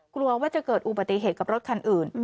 กลัวว่าจะเกิดอุบัติเหตุกับรถคันอื่น